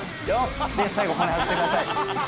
最後骨外してください。